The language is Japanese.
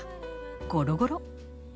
ゴロゴロ。